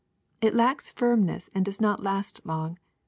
It lacks firmness and does not last long.